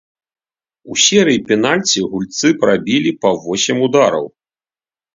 У серыі пенальці гульцы прабілі па восем удараў.